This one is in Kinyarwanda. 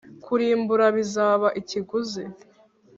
kurimbura bizaba ikiguzi,